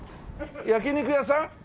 焼き肉屋さん？